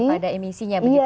kepada emisinya begitu ya